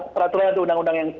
peraturan di undang undang yang